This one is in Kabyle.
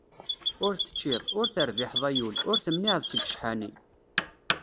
Ur teččiḍ, ur terbiḥeḍ ay ul, ur temniɛeḍ seg ccḥani.